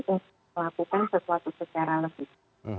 untuk melakukan sesuatu secara lebih